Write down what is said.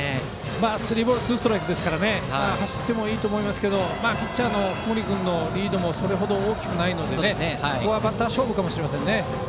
スリーボールツーストライクなので走ってもいいと思いますけどピッチャーの福盛君のリードもそれほど大きくないのでバッター勝負ですかね。